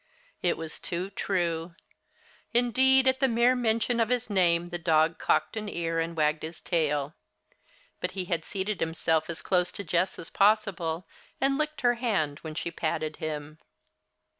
It was too true. Indeed, at the mere mention of his name the dog cocked an ear and wagged his tail. But he had seated himself as close to Jess as possible, and licked her hand when she patted him.